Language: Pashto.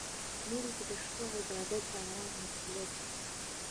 مړه ته د شپه عبادت د ارام وسيله ده